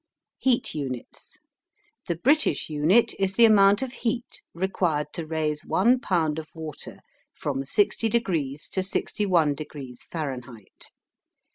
HEAT UNITS. The British Unit is the amount of heat required to raise one pound of water from 60 degrees to 61 degrees Fahrenheit.